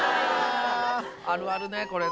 あるあるねこれ。